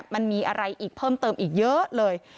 มันมีอะไรอีกเพิ่มเติมอีกเยอะเลย